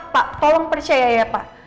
pak tolong percaya ya pak